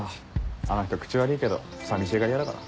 あの人口悪いけど寂しがり屋だから。